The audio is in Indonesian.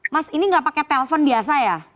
mas ini gak pake telpon biasa ya